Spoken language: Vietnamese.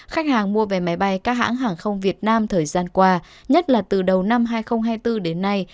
khách hàng mua về máy bay các hãng hàng không việt nam thời gian qua nhất là từ đầu năm hai nghìn hai mươi bốn đến nay